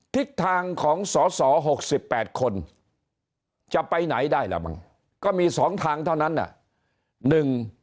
ทิศทางของสอสอ๖๘คนจะไปไหนได้ล่ะมั้งก็มี๒ทางเท่านั้น